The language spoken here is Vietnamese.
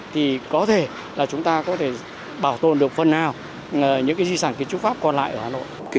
thì có thể là chúng ta có thể bảo tồn được phần nào những di sản kiến trúc pháp còn lại ở hà nội